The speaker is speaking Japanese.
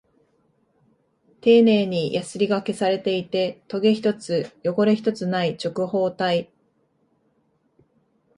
丁寧にヤスリ掛けされていて、トゲ一つ、汚れ一つない直方体。